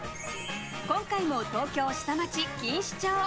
今回も東京下町・錦糸町。